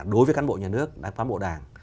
đối với cán bộ nhà nước đảng phán bộ đảng